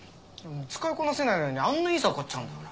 使いこなせないのにあんないい竿買っちゃうんだから。